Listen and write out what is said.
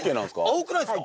青くないですか？